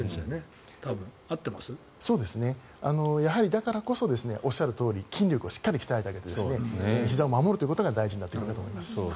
だからこそ、おっしゃるとおり筋力をしっかり鍛えてあげてひざを守ることが大事になってくるかと思います。